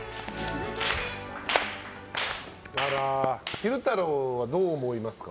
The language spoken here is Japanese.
昼太郎はどう思いますか？